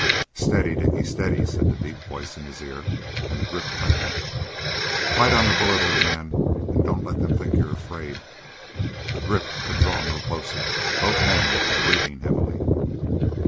"Steady, Dickie, steady!" said the deep voice in his ear, and the grip tightened. "Bite on the bullet, old man, and don't let them think you're afraid," The grip could draw no closer. Both men were breathing heavily.